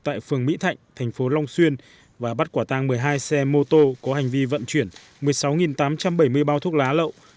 tại phường mỹ thạnh thành phố long xuyên và bắt quả tang một mươi hai xe mô tô có hành vi vận chuyển một mươi sáu tám trăm bảy mươi bao thuốc lá lậu